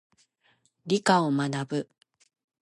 理科を学ぶ。